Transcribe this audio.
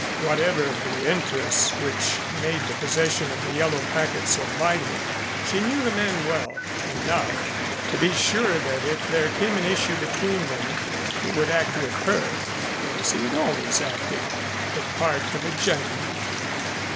Whatever the interests which made the possession of the yellow packet so vital, she knew the man well enough to be sure that if there came an issue between them, he would act with her as he had always acted the part of a gentleman.